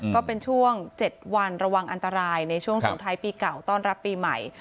ก็เป็นช่วง๗วันระวังอันตรายในช่วงสงท้ายปีเก่าต้อนรับปีใหม่